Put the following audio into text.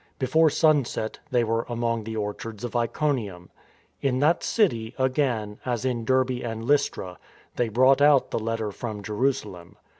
Before sunset, they were among the orchards of Iconium. In that city, again, as in Derbe and Lystra, they brought out the letter from Jerusalem.